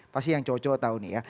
pasti yang cocok tahu nih ya